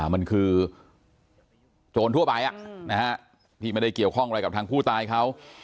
มันคือโจรทั่วไปที่ไม่ได้เกี่ยวข้องอะไรกับทางผู้ตายเขา